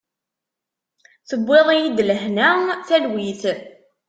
Tewwiḍ-iyi-d lehna talwit.